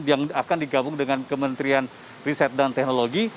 yang akan digabung dengan kementerian riset dan teknologi